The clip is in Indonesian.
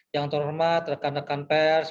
yang terhormat rekan rekan pers